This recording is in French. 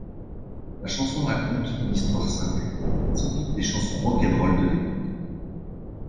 La chanson raconte une histoire simple, typique des chansons rock 'n' roll de l'époque.